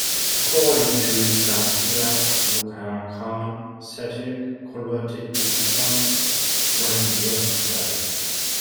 According to "Tazkirah Bughra Khan", Satuq converted to Islam when he was twelve.